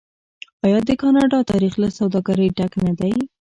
آیا د کاناډا تاریخ له سوداګرۍ ډک نه دی؟